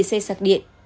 xe sạc điện